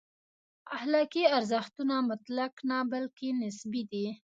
اخلاقي ارزښتونه مطلق نه، بلکې نسبي دي.